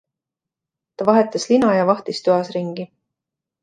Ta vahetas lina ja vahtis toas ringi.